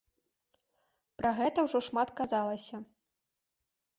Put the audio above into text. Пра гэта ўжо шмат казалася.